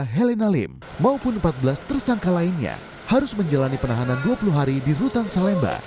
helena lim maupun empat belas tersangka lainnya harus menjalani penahanan dua puluh hari di rutan salemba